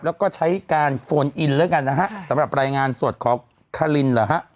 แล้วก็ใช้การโฟนไปกันนะฮะสำหรับรายงานสวดของ